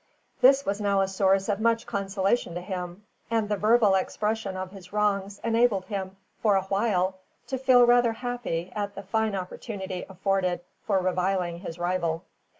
This was now a source of much consolation to him, and the verbal expression of his wrongs enabled him for a while to feel rather happy at the fine opportunity afforded for reviling his rival.